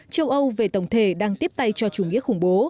châu âu về tổng thể đang tiếp tay cho chủ nghĩa khủng bố